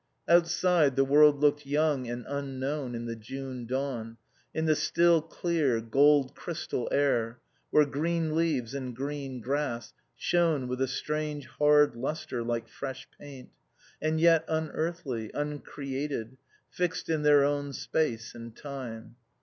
Outside, the world looked young and unknown in the June dawn, in the still, clear, gold crystal air, where green leaves and green grass shone with a strange, hard lustre like fresh paint, and yet unearthly, uncreated, fixed in their own space and time.